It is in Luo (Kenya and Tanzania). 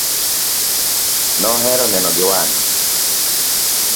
Nohero neno gi wange.